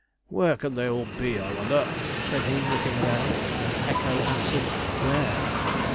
'Where can they all be, I wonder?' said he, looking around; and echo answered where?